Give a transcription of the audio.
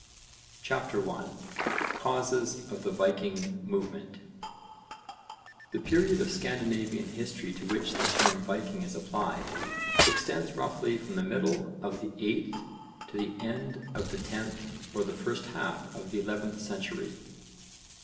CHAPTER I CAUSES OF THE VIKING MOVEMENT The period of Scandinavian history to which the term Viking is applied extends roughly from the middle of the 8th to the end of the 10th or the first half of the 11th century.